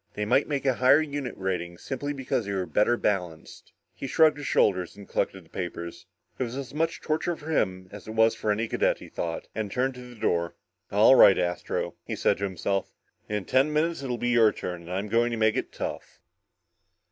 They might make a higher unit rating, simply because they were better balanced. He shrugged his shoulders and collected the papers. It was as much torture for him, as it was for any cadet, he thought, and turned to the door. "All right, Astro," he said to himself, "in ten minutes it'll be your turn and I'm going to make it tough!"